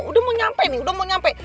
udah mau nyampe nih udah mau nyampe